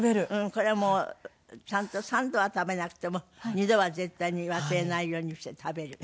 これもちゃんと３度は食べなくても２度は絶対に忘れないようにして食べる。